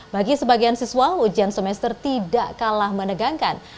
bagi sebagian siswa ujian semester tidak kalah menegangkan